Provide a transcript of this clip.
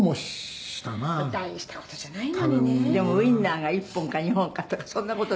「でもウィンナーが１本か２本かとかそんな事でも」